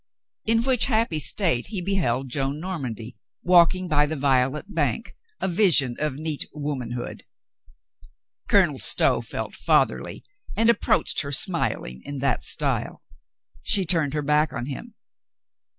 In which happy state he beheld Joan Normandy walking by the violet bank, a vision of neat woman hood. Colonel Stow felt fatherly and approached her smiling in that style. She turned her back on him.